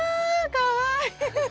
かわいい。